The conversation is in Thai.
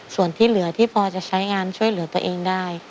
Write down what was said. ส่วนที่เหลือที่พอจะใช้งานช่วยเหลือตัวเองได้